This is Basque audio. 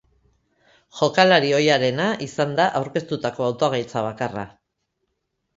Jokalari ohiarena izan da aurkeztutako hautagaitza bakarra.